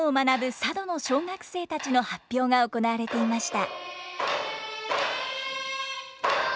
佐渡の小学生たちの発表が行われていました。